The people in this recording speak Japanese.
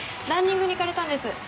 ランニングに行かれたんです。